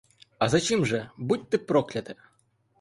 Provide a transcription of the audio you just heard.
За чим же, будь ти прокляте?